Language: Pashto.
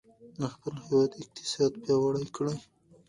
د خپل هېواد اقتصاد پیاوړی کړئ.